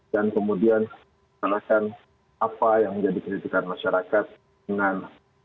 dan kemudian menerahkan apa yang menjadi kritikan masyarakat dengan